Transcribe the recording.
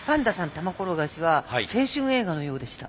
玉転がしは青春映画のようでした。